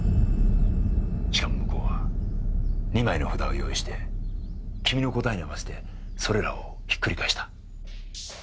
しかも向こうは２枚の札を用意して君の答えに合わせてそれらをひっくり返した。